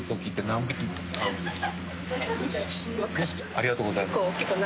ありがとうございます。